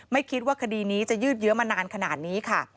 ไม่คิดว่าคดีนี้จะยืดเยอะมานานขนาดนี้ค่ะ